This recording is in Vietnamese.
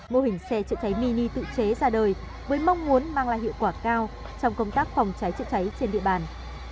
mô hình xe chữa cháy mini tự chế ra đời với mong muốn mang lại hiệu quả cao trong công tác phòng cháy chữa cháy trên địa bàn